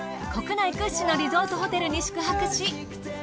国内屈指のリゾートホテルに宿泊し。